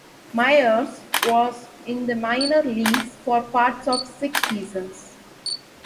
Myers was in the minor leagues for parts of six seasons.